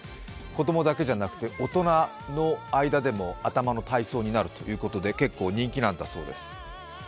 子供だけじゃなくて大人の間でも頭の体操になるということで結構人気なんだそうです。